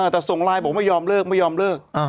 แต่ส่งไลน์บอกไม่ยอมเลิกไม่ยอมเลิก